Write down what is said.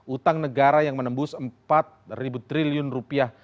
utang negara yang menembus empat triliun rupiah